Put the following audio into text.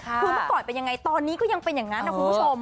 คือเมื่อก่อนเป็นยังไงตอนนี้ก็ยังเป็นอย่างนั้นนะคุณผู้ชม